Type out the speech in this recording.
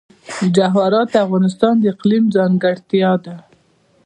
جواهرات د افغانستان د اقلیم ځانګړتیا ده.